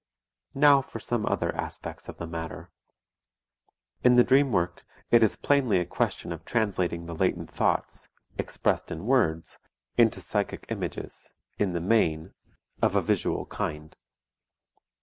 Now for some other aspects of the matter. In the dream work it is plainly a question of translating the latent thoughts, expressed in words, into psychic images, in the main, of a visual kind.